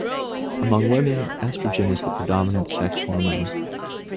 Among women, estrogen is the predominant sex hormone.